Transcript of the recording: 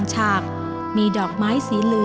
พระมีรมาตรครับ